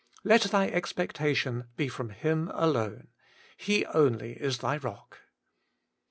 Let thy expec tations be from Him alone. He only is thy EOOK.